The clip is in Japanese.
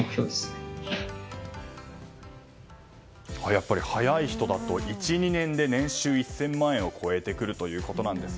やっぱり、早い人だと１２年で年収１０００万円を超えてくるということです。